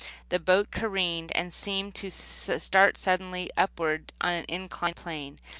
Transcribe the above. The boat careened and seemed to start suddenly upward on an inclined plane.